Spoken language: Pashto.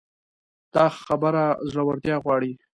دا خبره زړورتيا غواړي.